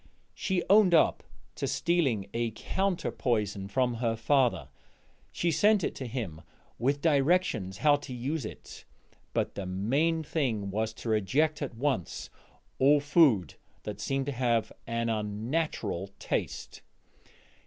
She owned up to stealing a counter poison from her father; she sent it to him with directions how to use it, but the main thing was to reject at once all food that seemed to have an unnatural taste.